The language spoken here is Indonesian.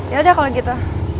yaudah kalau gitu